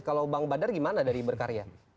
kalau bang badar gimana dari berkarya